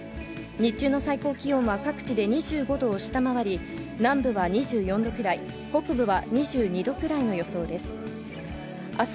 日中の最高気温は各地で２５度を下回り、南部は２４度くらい、北部は２２度くらいの予想です。